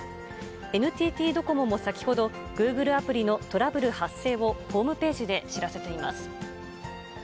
ＮＴＴドコモも先ほど、グーグルアプリのトラブル発生をホームページで知らせています。